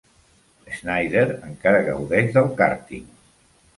Schneider encara gaudeix del kàrting.